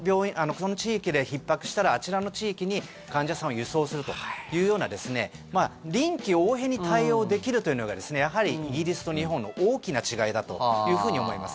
その地域でひっ迫したらあちらの地域に患者さんを輸送するというような臨機応変に対応できるというのがやはり、イギリスと日本の大きな違いだと思います。